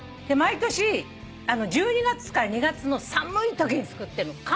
で毎年１２月から２月の寒いときに作ってんの。